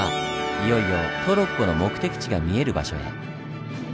いよいよトロッコの目的地が見える場所へ。